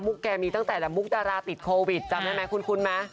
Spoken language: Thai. แกมีตั้งแต่ละมุกดาราติดโควิดจำได้ไหมคุ้นไหม